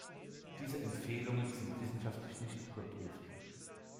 Diese Empfehlungen sind wissenschaftlich nicht überprüft.